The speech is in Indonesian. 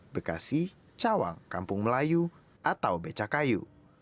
bekasi cawang kampung melayu atau beca kayu